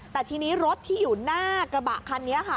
แต่ทีนี้รถที่อยู่หน้ากระบะคันนี้ค่ะ